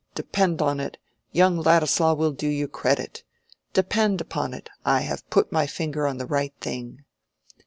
Depend upon it, young Ladislaw will do you credit. Depend upon it, I have put my finger on the right thing."